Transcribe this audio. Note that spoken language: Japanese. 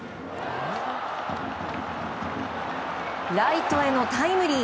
ライトへのタイムリー。